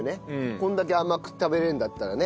こんだけ甘く食べれるんだったらね。